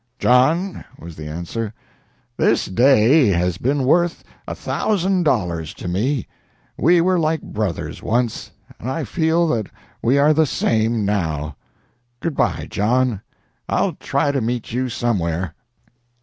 "John," was the answer, "this day has been worth a thousand dollars to me. We were like brothers once, and I feel that we are the same now. Good by, John. I'll try to meet you somewhere."